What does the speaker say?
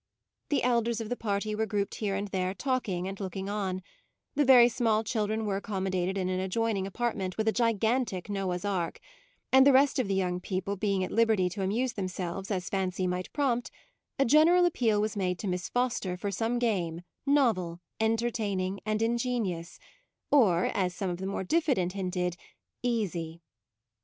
The 24 MAUDE elders of the party were grouped here and there talking and looking on : the very small children were ac commodated in an adjoining apart ment with a gigantic Noah's ark: and the rest of the young people being at liberty to amuse themselves as fancy might prompt, a general appeal was made to Miss Foster for some game, novel, entertaining, and ingenious; or, as some of the more diffident hinted, easy.